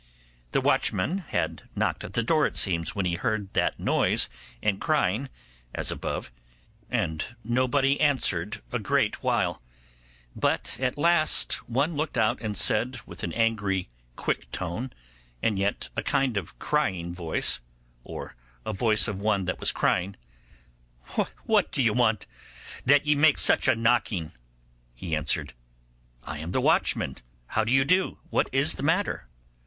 The watchman had knocked at the door, it seems, when he heard that noise and crying, as above, and nobody answered a great while; but at last one looked out and said with an angry, quick tone, and yet a kind of crying voice, or a voice of one that was crying, 'What d'ye want, that ye make such a knocking?' He answered, 'I am the watchman! How do you do? What is the matter?